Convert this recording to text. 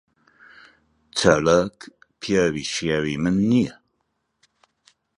چالاک پیاوی شیاوی من نییە.